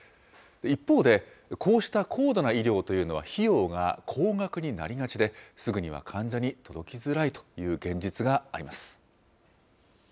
一方で、こうした高度な医療というのは費用が高額になりがちで、すぐには患者に届きづらいという現実があります。